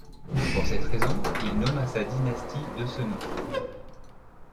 Pour cette raison, il nomma sa dynastie de ce nom.